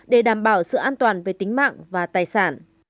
để đảm bảo sự an toàn về tính mạng và tài sản